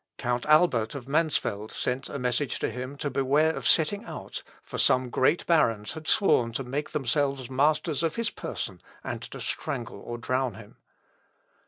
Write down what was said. Count Albert of Mansfeld sent a message to him to beware of setting out, for some great barons had sworn to make themselves masters of his person, and to strangle or drown him.